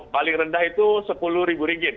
paling rendah itu rp sepuluh